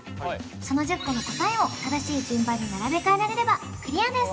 その１０個の答えを正しい順番に並べ替えられればクリアです